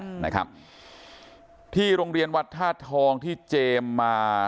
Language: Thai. อืมนะครับที่โรงเรียนวัดธาตุทองที่เจมส์มา